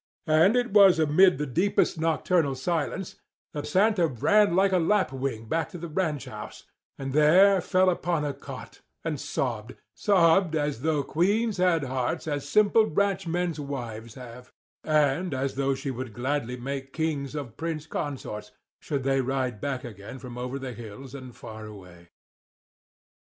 And it was amid the deepest nocturnal silence that Santa ran like a lapwing back to the ranch house and there fell upon a cot and sobbed—sobbed as though queens had hearts as simple ranchmen's wives have, and as though she would gladly make kings of prince consorts, should they ride back again from over the hills and far away.